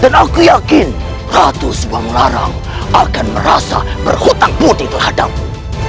dan aku yakin ratu subang larang akan merasa berhutang bodi terhadapmu